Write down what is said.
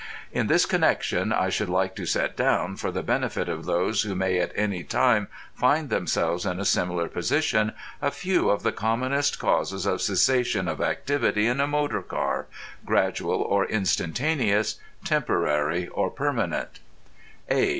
In this connection I should like to set down, for the benefit of those who may at any time find themselves in a similar position, a few of the commonest causes of cessation of activity in a motor car, gradual or instantaneous, temporary or permanent:— _A.